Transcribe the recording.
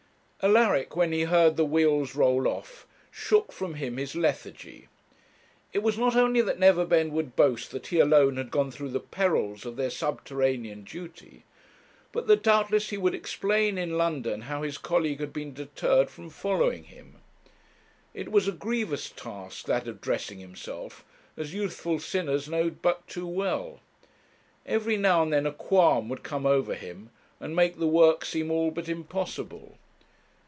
Alaric, when he heard the wheels roll off, shook from him his lethargy. It was not only that Neverbend would boast that he alone had gone through the perils of their subterranean duty, but that doubtless he would explain in London how his colleague had been deterred from following him. It was a grievous task, that of dressing himself, as youthful sinners know but too well. Every now and then a qualm would come over him, and make the work seem all but impossible.